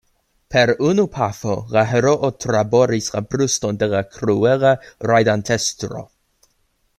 Per unu pafo la heroo traboris la bruston de la kruela rajdantestro.